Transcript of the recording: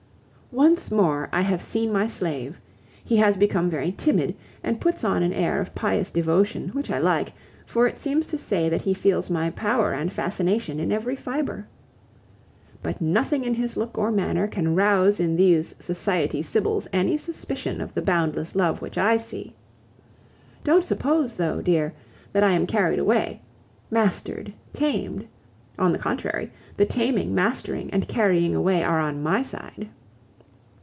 Once more I have seen my slave. He has become very timid, and puts on an air of pious devotion, which I like, for it seems to say that he feels my power and fascination in every fibre. But nothing in his look or manner can rouse in these society sibyls any suspicion of the boundless love which I see. Don't suppose though, dear, that I am carried away, mastered, tamed; on the contrary, the taming, mastering, and carrying away are on my side...